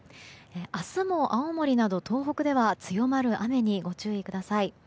明日も青森など東北では強まる雨にご注意ください。